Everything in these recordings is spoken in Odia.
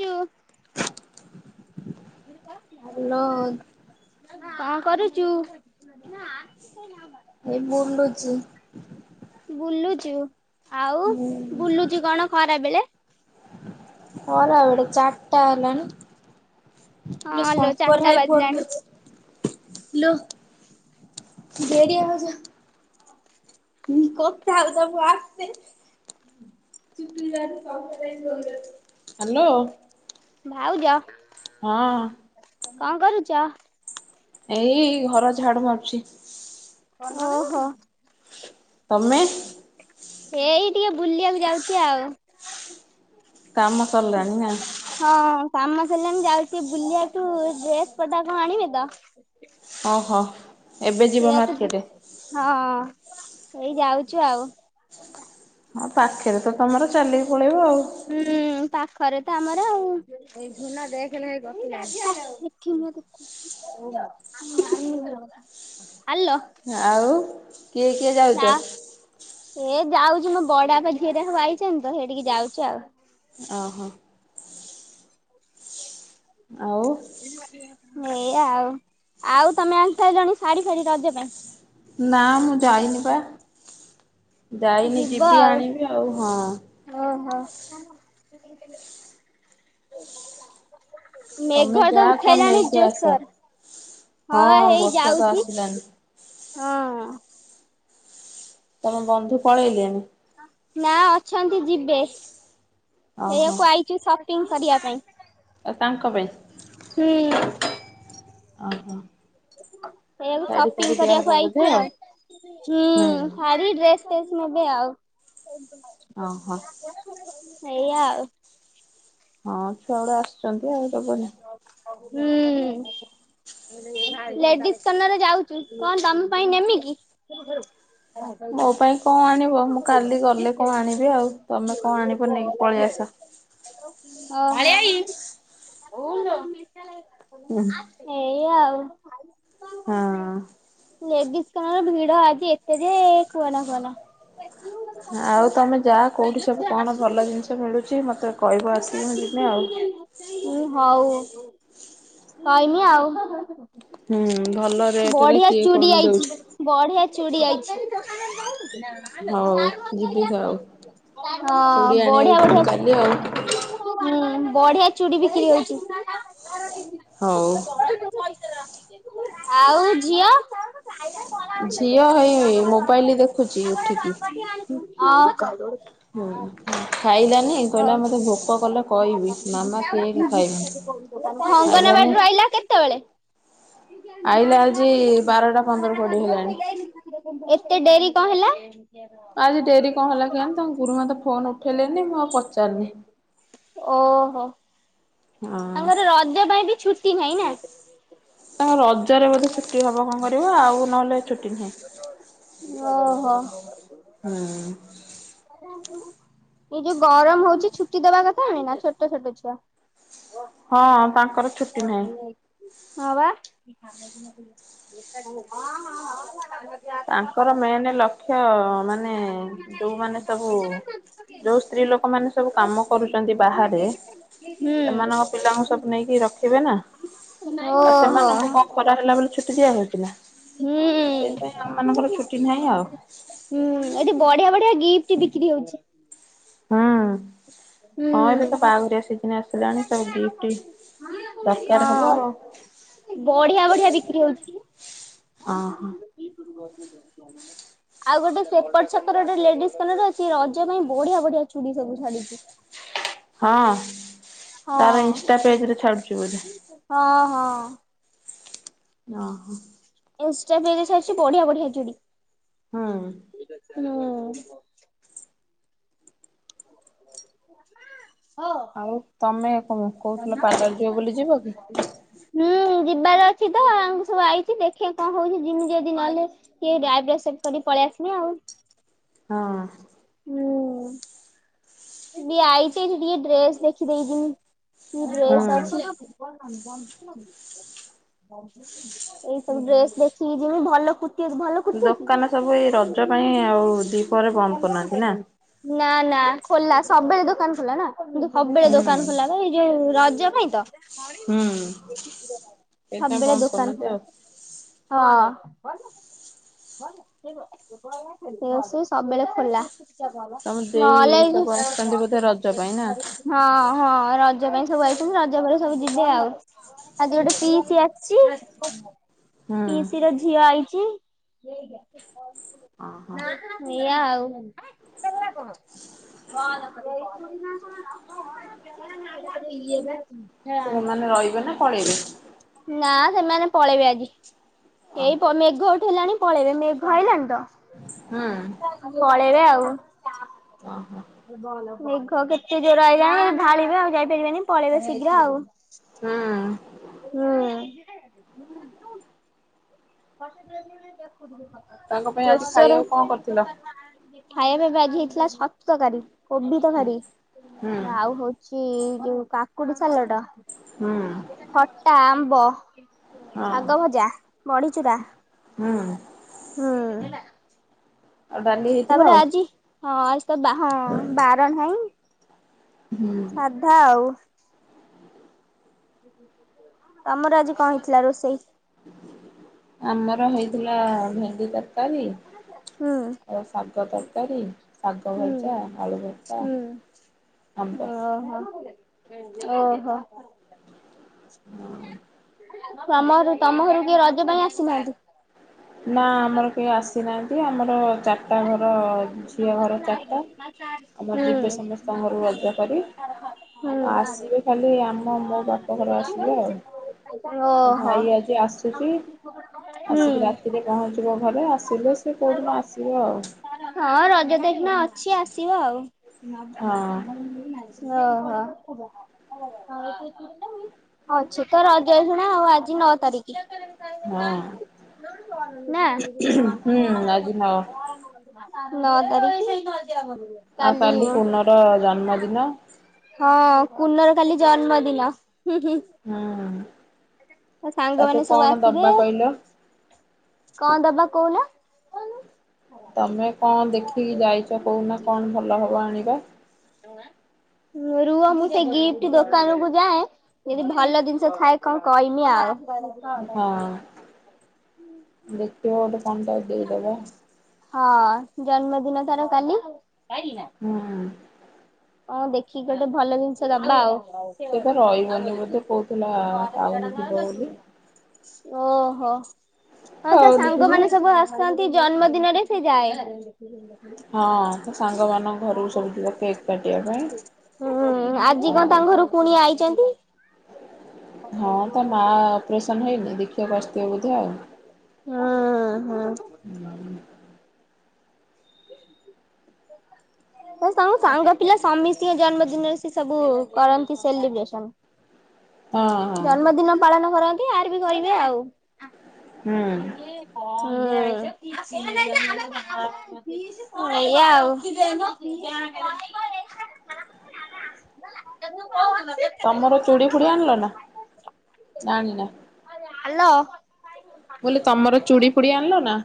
ଚୁ। [unintelligible] ହାଲୋ [unintelligible] କଣ କରୁଚୁ? ଏଇ ବୁଲୁଚି। ବୁଲୁଛୁ ଆଉ ହୁଁ ବୁଲୁଚୁ କଣ ଖରାବେଳେ? ଖରାବେଳେ ଚାରିଟା ହେଲାଣି ଇଲ ହଁ ଲୋ ଶଙ୍କର ଚାରିଟା ଭାଇ ଫୋନ ବାଜିଲାଣି କରଛ। ଇଲୋ ଗଡିଆ ଭାଉଜ। କଥା ହଉଥା ମୁ ଆସେ। ହ୍ୟାଲୋ। ଭାଉଜ। ହଁ। କଣ କରୁଛ? ଏଇ ଘର ଝାଡୁ ମାରୁଛି। ଓହୋ। ତମେ ଏଇ ଟିକେ ବୁଲିବାକୁ ଯାଉଛି ଆଉ। କାମ ସରିଲାଣିି ନା। ହଁ କାମ ସରିଲାଣି ଯାଉଛି ଟିକେ ବୁଲିବାକୁ ଡ୍ରେସ ପଟା କଣ ଆଣିବେ ତ। ଓହୋ। ଏବେ ଯିବ ସେଇଆକୁ ମାର୍କେଟ ହଁ ଏଇ ଯାଉଛୁ ଆଉ। ହଁ ପାଖରେ ତ ତମର ଚାଲିକି ପଳେଇବ ଆଉ। ହୁଁ ପାଖରେ ତ ଆମର ଆଉ। ହାଲୋ। ଆଉ କିଏ-କିଏ ଯାଉଚ? ହେ ଯାଉଛି ମୋ ବଡାପା ଝିଅଟା ହ ଆଇଛନ୍ତି ତ ସେଇଠିକି ଯାଉଛି ଆଉ। ଓହୋ। ଆଉ ଏୟା ଆଉ ଆଉ ତମେ ଆଣି ସାରିଲଣି ଶାଢୀ ଫାଢୀ ରଜ ପାଇଁ? ନା ମୁଁ ଯାଇନି ବା ଯାଇନି ଯିବ ଯିବି ଆଉ। ଆଣିବି ଆଉ, ହଁ। ଓହୋ। ତମେ ମେଘ ତ ଯାହା କଣ ଉଠେଇଲାଣି ନେଇକି ଜୋର୍ ଆସ। ସର୍। ହଁ ବା ହେଇ ବର୍ଷା ତ ଯାଉଚି ଆସିଲାନି ହଁ। ତମ ବନ୍ଧୁ ପଳେଇଲେଣି। ନା ଅଛନ୍ତି ଯିବେ ଓହୋ। ଏୟାକୁ ଆଇଛୁ ସପିଂ କରିବା ପାଇଁ। ଆ ତାଙ୍କ ପାଇଁ ହୁଁ ଓହୋ। ସେଇଆକୁ ଶାଢୀ ଫାଢୀ ସପିଙ୍ଗ ଦିଆହବ କରିବାକୁ ବୋଧେ ଆଇଚୁ ଆଉ ହୁଁ ଶାଢ଼ୀ ଡ୍ରେସ୍ [unintelligible] ନେବେ ଆଉ। ଓହୋ। ସେଇଆ ଆଉ। ହଁ। ଛୁଆଗୁଡା ଆସୁଛନ୍ତି ଆଉ ଦବନି। ହୁଁ। ଲେଡିସ୍ କର୍ଣ୍ଣରେ ଯାଉଛୁ କଣ ତମ ପାଇଁ ନେମି କିି? ମୋ ପାଇଁ କଣ ଆଣିବ ମୁଁ କାଲି ଗଲେ କଣ ଆଣିବି ଆଉ ତମେ କଣ ଆଣିବ ନେଇକି ପଳେଇ ଆସ। ଅ। ଏଇା ହୁଁ ଆଉ। ହଁ। ଲେଡିସ୍ କର୍ଣ୍ଣରେ ଭିଡ ଆଜି ଏତେ ଯେ କୁହନା-କୁହନା। ଆଉ ତମେ ଯା କୋଉଠି ସବୁ କଣ ଭଲ ଜିନି ମିଳୁଛି ମୋତେ କହିବ ଆସିକି ମୁଁ ଯିବି ଆଉ। ହୁଁ ହଉ କହିମି ଆଉ। ହୁଁ ଭଲ ରେଟ୍ ରେ କିଏ କଣ ଦଉଚି। ବଢ଼ିଆ ଚୁଡି ଆଇଚି। ହଁ ହଉ ଯିବି ଆଉ। ଚୁଡ଼ି ଆଣିବାକୁ ଯିବି ବଢ଼ିଆ-ବଢ଼ିଆ କାଲି ଆଉ ହୁଁ ବଢ଼ିଆ ଚୁଡ଼ି ବିକ୍ରି ହଉଚି। ହଉ। ଆଉ ଝିଅ? ଝିଅ ହେଇ-ହେଇ ମୋବାଇଲ୍ ଦେଖୁଚି ଉଠିକି। [unintelligible] ହୁଁ ଖାଇଲାନି କହିଲା ମତେ ଭୋକ କଲେ କହିବି ମାମା କେକ୍ ଖାଇବ। ଅଙ୍ଗନବାଡିରୁ ଆଇଲା କେତବେଳେ? [unintelligible] ଆଇଲା ଆଜି ବାରଟା ପନ୍ଦର କୋଡିଏ ହେଲାଣି। ଏତେ ଡେରି କଣ ହେଲା? ଆଜି ଡେରି କଣ ହେଲା କେଜାଣି ତାଙ୍କ ଗୁରୁମା ତ ଫୋନ୍ ଉଠେଇଲେନି ମୁଁ ଆଉ ପଚାରିନି। ଓହୋ। ହଁ ତାଙ୍କର ରଜ ପାଇଁ ବି ଛୁଟି ନାହିଁ ନା? ତାଙ୍କର ରଜରେ ବୋଧେ ଛୁଟି ହବ। କଣ କରିବ ଆଉ? ନହେଲେ ଛୁଟି ନାହିଁ। ଓହୋ। ହୁଁ ଏଇ ଯୋଉ ଗରମ ହଉଚି ଛୁଟି ଦବା କଥା। ନୁହେଁ ନା? ଛୋଟ ଛୋଟ ଛୁଆ ହଁ, ତାଙ୍କର ଛୁଟି ନାହିଁ। ହଁ, ବା। ତାଙ୍କର ମେନେ ଲକ୍ଷ୍ୟ ମାନେ ମାନେ ଯୋଉମାନେ ସବୁ ଯୋଉ ସ୍ତ୍ରୀ ଲୋକମାନେ ସବୁ କାମ କରୁଛନ୍ତି ବାହାରେ ସେମାନଙ୍କ ପିଲାଙ୍କୁ ହୁଁ। ସବୁ ନେଇକି ରଖିବେ ନା। ଓହୋ। ବର୍ଷା ହେଲା ବୋଲି ଛୁଟି ଦିଆହଉଚିନା। ସେଇଥିପାଇଁ ଆମ ମାନଙ୍କର ଛୁଟି ନାହିଁ ଆଉ। ହୁଁ, ଏଠି ବଢିଆ ବଢିଆ ଗିପ୍ଟି ବିକ୍ରି ହଉଛି। ହଁ। [inaudible] ହଁ ଏବେ ତ ବାହାଘରିଆ ସିଜିନ୍ ହଁ ଆସିଲାଣି। ସବୁ ଗିଫ୍ଟ ଦରକାର ହବ ଆଉ। ବଢିଆ ବଢିଆ ବିକ୍ରି ହଉଚି। [inaudible] ଓହୋ। ଆଉ ଗୋଟେ ସେପଟେ ଛକର ଗୋଟେ ଲେଡିଜ କନର ଅଛି। ରଜ ପାଇଁ ବଢିଆ ବଢିଆ ଚୁଡି ସବୁ ଛାଡୁଚି। ହଁ, ହଁ ତାର ଇନଷ୍ଟା ପେଜରେ ଛାଡୁଛି ବୋଧେ। ହଁ ହଁ। ଓହୋ। ଇନଷ୍ଟା ପେଜରେ ଛାଡିଛି ବଢିଆ ବଢିଆ ଚୁଡି। ହୁଁ। ହୁଁ। [unintelligible] ଆଉ ତମେ କଣ କହୁଥିଲ, ପାଲର ଯିବ ବୋଲି ଯିବ କି? ହୁଁ। ଯିବାର ଅଛି ତ। ଆମେ ସବୁ ଆଇଚୁ, ଦେଖିଆ କଣ ହଉଚି? ଯିମି ଯଦି ନହେଲେ। ଟିକିଏ ଆଇବ୍ରୋ ସେଭ୍ କରି ପଳେଇ ଆସିବି ଆଉ। ହଁ। ହୁଁ। ଟିକେ ଆଇଚି। ଏଠି ଟିକେ ଡ୍ରେସ ଦେଖି ଦେଇକି ଜୀମି। କି ଡ୍ରେସ ହଁ। ଅଛି? [unintelligible] ଏଇ ସବୁ ଡ୍ରେସ ଦେଖିକି ଯିମି। ଭଲ କୁର୍ତ୍ତି ଅଛି। ଭଲ କୁର୍ତ୍ତି ଅଛି। ଦୋକାନ ସବୁ ଏଇ ରଜ ପାଇଁ ଆଉ ଦ୍ବିପହରରେ ବନ୍ଦ କରୁନାହାନ୍ତି ନା? ନା ନା ଖୋଲା ସବୁବେଳେ ଦୋକାନ ଖୋଲା। ନା? ସବୁବେଳେ ହୁଁ। ଦୋକାନ ଖୋଲା ବା ଏଇ ଇଏ ରଜ ପାଇଁ ତ? ହୁଁ! ସବୁବେଳେ ସେଇଥିପାଇଁ ବନ୍ଦ ଦୋକାନ କରୁନାହାନ୍ତି ଖୋଲା। ଆଉ ହଁ। ରୋଷେଇ ସବୁବେଳେ ଖୋଲା। ତମ ଦେଇ ନହେଲେ ହଁ ସବୁ ଆସିଛନ୍ତି ବୋଧେ ରଜ ପାଇଁ ନା? ହଁ ରଜ ପାଇଁ ସବୁ ଆଇଚନ୍ତି। ରଜ ପରେ ସବୁ ଯିବେ ଆଉ। ଆଜିି ଗୋଟେ ପିଇସି ଆସିଚି। ହୁଁ। ପିଇସି ର ଝିଅ ଆଇଚି। ଏଇଆ ଓହୋ ଆଉ। ଇଏ ପା ସେମାନେ ରହିବେ ନା ପଳେଇବେ? ନା ସେମାନେ ପଳେଇବେ ଆଜି। ଏଇ ପ ମେଘ ଉଠେଇଲାଣି ପଳେଇବେ ମେଘ ଆଇଲାଣି ତ ହୁଁ। ପାଲେଇବେ ଆଉ ଅ ହ। ମେଘ କେତେ ଜୋର ଆଇଲାଣି ଢାଳିବେ ଆଉ ଯାଇପାରିବେନି ପଳେଇବେ ଶୀଘ୍ର ଆଉ ହୁଁ ହୁଁ। ତାଙ୍କ ପାଇଁ ଜୋର ଆଜି ସୋରେ ଖାଇବାକୁ କଣ ଖାଇବା କରିଥିଲ? ପା ଆଜି ହେଇଥିଲା ସତୁ ତକାରୀ କୋବି ହୁଁ ତକାରୀ ହୁଁ ଆଉ ହଉଛି ଯୋଉ କାକୁଡି ସାଲଟ ହୁଁ। ଖଟା ଆମ୍ବ ହଁ ଶାଗ ଭଜା ବଡି ଚୁ ଚୁରା ହୁଁ। ହୁଁ। ଆଉ ଡାଲି ହେଇଥିବ ତାପରେ ଆଉ ଆଜି ହଁ ଆଜି ତ ବା ହଁ ବାର ନାହିଁ। ହୁଁ ସାଧା ଆଉ ତମର ଆଜି କ ହେଇଥିଲା ରୋଷେଇ? ଆମର ହେଇଥିଲା ଭେଣ୍ଡି ତରକାରୀ ହୁଁ ଆଉ ଶାଗ ତରକାରୀ ଶାଗ ହୁଁ ଭଜା ଆଳୁ ଭର୍ତ୍ତା ହୁଁ ଆମ୍ବ ଓ ହୋ। ଓହୋ। [unintelligible] ତମ ଘରୁ ତମ ଘରୁ କିଏ ରଜ ପାଇଁ ଆସିନାହାନ୍ତି। ନା ଆମର କେହି ଆସିନାହାନ୍ତି। ଆମର ଓହୋ। ଚାଟା ଘର ଝିଅ ଘର ଚାଟା ଆମ ଯିବେ ସମସ୍ତଙ୍କରୁ ରଜ କରି ଆଉ ଆସିବେ ଖାଲି ଆମ ମୋ ବାପା ଘର ଆସିବା ଆଉ ଭାଇ ଆଜି ଆସୁଛି ଆସିକି ରାତି ଏବେ ପହଞ୍ଚିବ ଘରେ। ଆସିଲେ ସେ କୋଉଦିନ ଆସିବେ ଆଉ। ହଁ ରଜ ତ ଏଇଖିନ ଅଛି ଆସିବ ଆଉ। ଓହୋ। ଅଛି ତ ରଜ ଏଇଖୀନା ଆଜି ନଅ ତାରିଖ ହଁ ନାଁ ହଁ ହୁଁ ଆଜି ନ [unintelligible] ନଅ ତାରିଖି ଆଉ କାଲି ପୁନର ଜନ୍ମଦିନ। ହଁ କୁନର କାଲି ଜନ୍ମ ଦିନ। ହିଁ ହିଁ ହୁଁ ସାଙ୍ଗମାନେ ତାକୁ ସବୁ କଣ ଆସିବେ ଦବା କହିଲ? କଣ ଦବା କହୁନ। ତମେ କଣ ଦେଖିକି ଯାଇଛ କହୁନା କଣ ଭଲ ହବ ଆଣିବା। [unintelligible] ରୁହ ମୁଁ ସେ ଗିଫ୍ଟ ଦୋକାନ କୁ ଯାଏ ଯଦି ଭଲ ଜିନିଷ ଥାଏ କଣ କହିବି। ନି ଆଉ ହଁ ଦେଖିବ ଗୋଟେ କଣ ଟା ଦେଇଦବ। ହଁ ଜନ୍ମଦିନ ତାର କାଲି ହଁ। ହଁ ଦେଖିକି ଗୋଟେ ଭଲ ଜିନିଷ ଦବା ଆଉ। ସେ ତ ରହିବନି ବୋଧେ କହୁଥିଲା ଟାଉନ ଯିବ ବୋଲି। ଓହୋ ହଁ ତା ଟାଉନ ଯିବ ସାଙ୍ଗମାନୋନ ସବୁ ଆ ଆସନ୍ତି ଜନ୍ମ ଦିନରେ ସେ ଯାଏ। [unintelligible] ହଁ ତ ସାଙ୍ଗମାନଙ୍କ ଘରକୁ ସବୁ ଯିବେ କେକ୍ କାଟିବା ପାଇଁ। ହୁଁ ଆଜି ଆଉ କଣ ତାଙ୍କ ଘରକୁ କୁଣିଆ ଆଇଛନ୍ତି। ହଁ ତା ମା ଅପରେସନ ହେଇନି ଦେଖିବାକୁ ଆସୁଥିବେ ବୋଧେ ଆଉ ହଁ ହଁ। ସାଙ୍ଗ ସାଙ୍ଗ ପିଲା ସମୀସ୍ତ୍ରୀଙ୍କ ଜନ୍ମଦିନରେ ସେ ସବୁ କରନ୍ତି ସେଲିବ୍ରେସନ। ହଁ ହଁ ଜନ୍ମଦିନ ପାଳନ କରନ୍ତି ଆର୍ ବି କରିବେ ଆଉ ହୁଁ। ହୁଁ ହେଇଆ ଆଉ [inaudible] ତମର ଚୁଡି ଫୁଡି ଆଣିଲ ନା ଆଣିନା? ହ୍ୟାଲୋ। ବୋଇଲେ ତମର ଚୁଡି ଫୁଡି ଆଣିଲ ନା?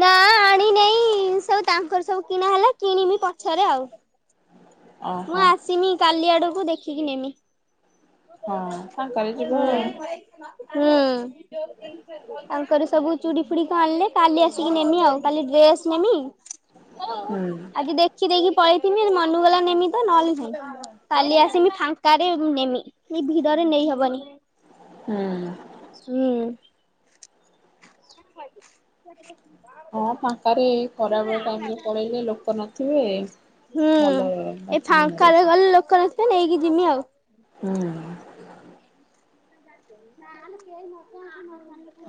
ନା ଆଣିିନହିଁ ସବୁ ତାଙ୍କର ସବୁ କିଣା ହେଲା କିଣମି ପଛରେ ଆଉ ମୁଁ ଓହୋ ଆସିମି କାଲି ଆଡକୁ ଦେଖିକି ନେମି। ହଁ ଫାଙ୍କାରେ ହଁ ଯିବ ହୁଁ। ତାଙ୍କର ସବୁ ଚୁଡି ଫୁଡି କ ଆଣିଲେ କାଲି ଆସିକି ନେମି ଆଉ କାଲି ଡ୍ରେସ ନେମି ଓ ହୁଁ। ଆଜି ଦେଖି ଦେଖି ପଳେଇଥମି ମନ ଗଲା ନମି ତ ନହେଲେ ଯାଇ କାଲି ଆସମି ଫାଙ୍କାରେ ନେମି ଏ ଭିଡରେ ନେଇହବନି। ହୁଁ ହୁଁ। ହଁ ଫାଙ୍କାରେ ଖରାବେଳେ ଟାଇମରେ ପଳେଇଲେ ଲୋକ ନଥିବେ ହୁଁ ଭଲ ଏ ବାଛିକି ନେଇ ଫାଙ୍କାରେ ଆସିବ। ଗଲେ ଲୋକ ନଥିବେ ନେଇକି ଯିମି ଆଉ ହୁଁ।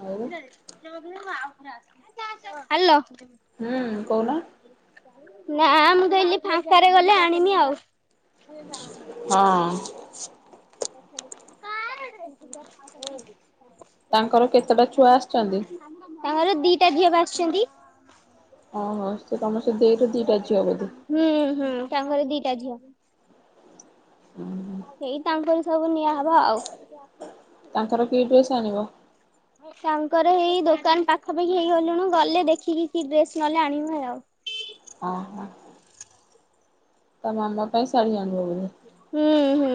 ଆଉ ହୁଁ [inaudible] ହାଲୋ। ହୁଁ କହୁନ? ନା ମୁଁ କହିଲି ଫାଙ୍କାରେ ଗଲେ ଆଣିବି ଆଉ ହଁ। [inaudible] କେତେଟା ଛୁଆ ଆସିଛନ୍ତି? ତାଙ୍କର ଦିଟା ଝିଅ ବା ଆସିଛନ୍ତି। ଓହୋ ସେ ତମର ସେ ଦେଇର ଦିଟା ଝିଅ ବୋଧେ। ହୁଁ ହୁଁ ତାଙ୍କର ଦିଟା ଝିଅ। ଓହୋ। ଏଇ ତାଙ୍କରି ସବୁ ନିଆହବ ଆଉ ତାଙ୍କର କି ଡ୍ରେସ୍ ଆଣିବ? ତାଙ୍କର ଏଇ ଦୋକାନ ପାଖାପାଖି ହେଇଗଲୁଣିୁ ଗଲେ ଦେଖିକି କି ଡ୍ରେସ ନଲେ ଆଣିବ ଆଉ ହଁ ହଁ। ତା ମାମା ପାଇଁ ଶାଢୀ ଆଣିବ ବୋଧେ। ହୁଁ ହୁଁ।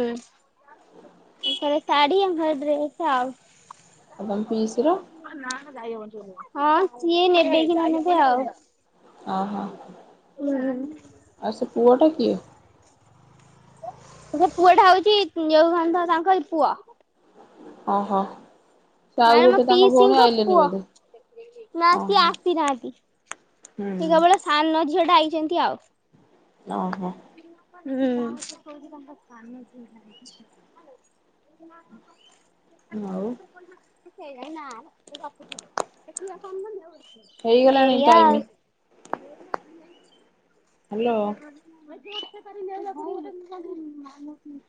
ରେ ଶାଢୀ ଆ ଘର ଡ୍ରେସ ଆଉ ଆଉ ତମ ପିଇସି ର ହଁ ସିଏ ନେବେ କି ନ ଆଉ ଅ ହଁ ହୁଁ ଆଉ ସେ ପୁଅଟା କିଏ? ସେ ପୁଅ ଟା ହଉଛି [inaudible] ତାଙ୍କ ପୁଅ। ଅ ହ। ସେ ଆଉ ମାନେ ମୋ ଗୋଟେ ତାଙ୍କ ଭଉଣୀ ପିଇସିଙ୍କ ଆଇଲେନି ପୁଅ ବୋଧେ ନା ଅ ସିଏ ହ। ଆସିନାହାନ୍ତି। ସେ ହୁଁ। କେବଳ ସାନ ଝିଅ ଟା ଆଇଚନ୍ତି ଆଉ। ଓହୋଃ। ହୁଁ। [inaudible] ଆଉ? [inaudible] ହେଇଗଲାଣି ଟାଇମ ଏଇଆ ହ୍ୟାଲୋ। ଆଉ। [inaudible]